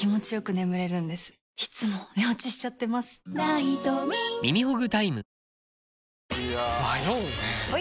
いや迷うねはい！